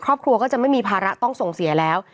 ครอบครัวก็จะไม่มีภาระต้องส่งเสียแล้ว